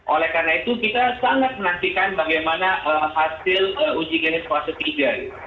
oleh karena itu kita sangat menantikan bagaimana hasil uji klinis fase tiga